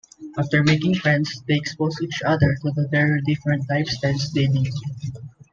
After making friends, they expose each other to the very different lifestyles they live.